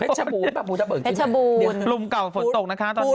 เผ็ดชะบูนแบบปูทะเบิกใช่ไหมเดี๋ยวลุมเก่าฝนตกนะคะตอนนี้